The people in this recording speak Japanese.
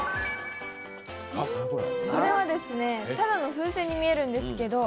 これは、ただの風船に見えるんですけど